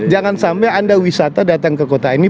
jangan sampai anda wisata datang ke kota ini